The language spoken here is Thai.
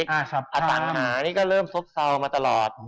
อาจารย์มีปิ๊กอาจารย์มีปัญหาเริ่มซุดเซามาตลอด